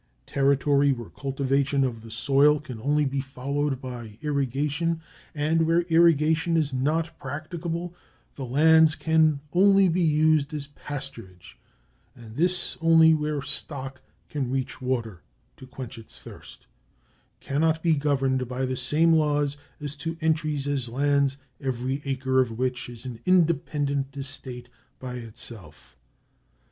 Territory where cultivation of the soil can only be followed by irrigation, and where irrigation is not practicable the lands can only be used as pasturage, and this only where stock can reach water (to quench its thirst), can not be governed by the same laws as to entries as lands every acre of which is an independent estate by itself.